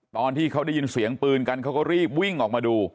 ตอนที่เขาได้ยินเสียงปืนกันเขาก็รีบวิ่งออกมาดู